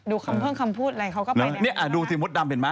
ดูคำพูดเค้าก็ไปดูที่หมดดำเห็นไหม